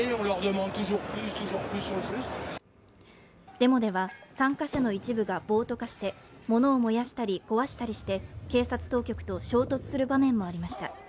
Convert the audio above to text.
デモでは参加者の一部が暴徒化して物を燃やしたり、壊したりして、警察当局と衝突する場面もありました。